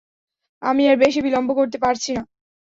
আমি আর বেশি বিলম্ব করতে পারছি না।